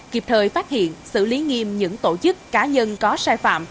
kịp thời phát hiện xử lý nghiêm những tổ chức cá nhân có sai phạm